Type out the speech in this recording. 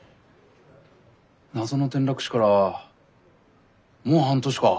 謎の転落死からもう半年か？